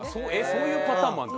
そういうパターンもあるんだ。